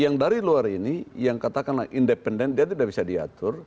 yang dari luar ini yang katakanlah independen dia tidak bisa diatur